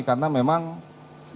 karena memang demokrasi